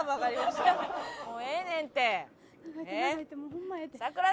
もうええねんって。